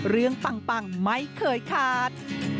เรื่องปังไม่เคยขาด